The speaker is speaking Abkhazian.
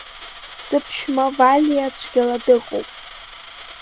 Сыԥшәма Валиа цәгьала дыҟоуп!